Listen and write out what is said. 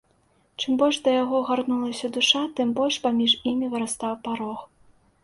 Чым больш да яго гарнулася душа, тым больш паміж імі вырастаў парог.